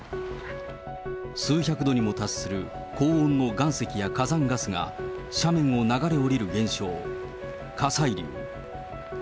数百度にも達する高温の岩石や火山ガスが斜面を流れ下りる現象、火砕流。